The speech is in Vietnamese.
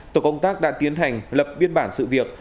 tổ công tác đã tiến hành lập biên bản sự việc